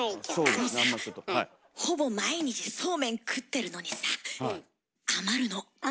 あのさほぼ毎日そうめん食ってるのにさ余るの。